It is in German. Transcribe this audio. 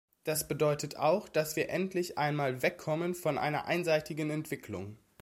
Das bedeutet auch, dass wir endlich einmal wegkommen von einer einseitigen Entwicklung.